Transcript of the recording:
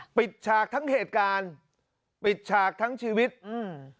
ฉากทั้งเหตุการณ์ปิดฉากทั้งชีวิตอืม